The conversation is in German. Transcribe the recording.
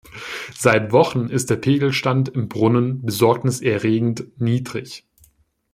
Seit Wochen ist der Pegelstand im Brunnen besorgniserregend niedrig.